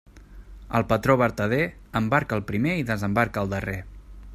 El patró vertader embarca el primer i desembarca el darrer.